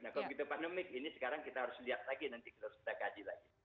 nah kalau begitu pandemik ini sekarang kita harus lihat lagi nanti harus kita kaji lagi